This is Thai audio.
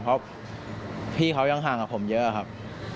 เพราะพี่เขายังห่างกับผมเยอะครับ